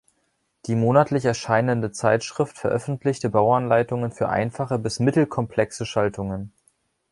Die monatlich erscheinende Zeitschrift veröffentlichte Bauanleitungen für einfache bis mittel-komplexe Schaltungen.